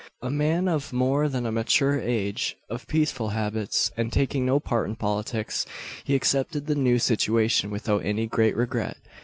A man of more than mature age, of peaceful habits, and taking no part in politics, he accepted the new situation without any great regret.